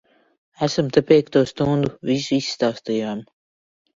Esam te piekto stundu. Visu izstāstījām.